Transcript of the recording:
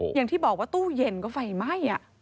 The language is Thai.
อย่างที่บอกว่าตู้เย็นก็ไฟไหม้